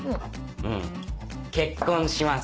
うん結婚します。